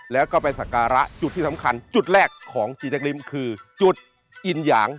แล้วก็ไปสักการะจุดที่สำคัญจุดแรกของจีแจ๊กริมคือจุดอินหยาง